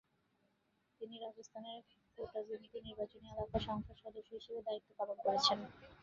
তিনি রাজস্থানের কোটা-বুন্দি নির্বাচনী এলাকার সংসদ সদস্য হিসেবে দায়িত্ব পালন করেছেন।